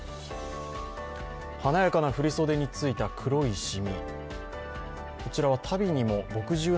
華やかな振り袖についた黒いしみ。